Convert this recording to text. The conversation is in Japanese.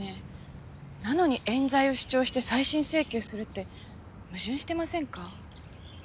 なのに冤罪を主張して再審請求するって矛盾してませんか？